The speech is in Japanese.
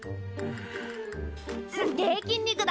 すっげえ筋肉だな！